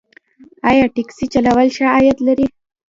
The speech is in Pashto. آیا ټکسي چلول ښه عاید لري؟